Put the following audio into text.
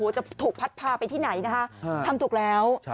จะถูกพัดพาไปที่ไหนนะคะทำถูกแล้ว